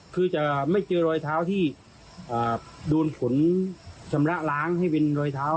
คือจะไม่เจอรอยเท้าที่โดนผลชำระล้างให้เป็นรอยเท้า